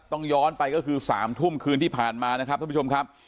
ย้อนไปก็คือ๓ทุ่มคืนที่ผ่านมานะครับท่านผู้ชมครับ